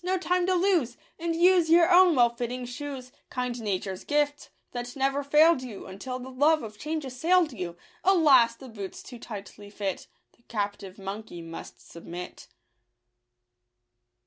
— no time to lose— And use your own well fitting shoes, — Kind nature's gift, that never fail'd you Until the love of change assail'd you. Alas ! the boots too tightly fit ; The captive monkey must submit.